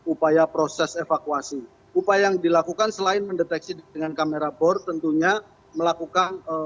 upaya proses evakuasi upaya yang dilakukan selain mendeteksi dengan kamera bor tentunya melakukan